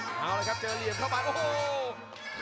เอาละครับเจอเหลี่ยมเข้าไปโอ้โห